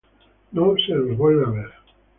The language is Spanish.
No se los vuelve a ver.